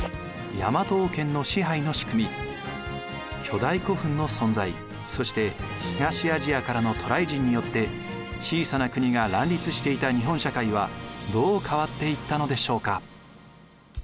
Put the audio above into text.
巨大古墳の存在そして東アジアからの渡来人によって小さな国が乱立していた日本社会はどう変わっていったのでしょうか。